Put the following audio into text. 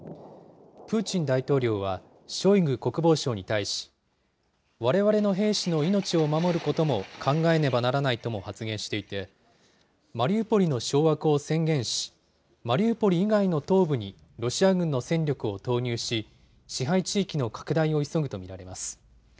プーチン大統領はショイグ国防相に対し、われわれの兵士の命を守ることも考えねばならないとも発言していて、マリウポリの掌握を宣言し、マリウポリ以外の東部にロシア軍の戦力を投入し、支配地域の拡大を急ぐと見られます。